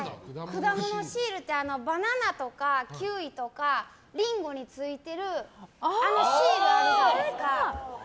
果物シールってバナナとかキウイとかリンゴについてるあのシールあるじゃないですか。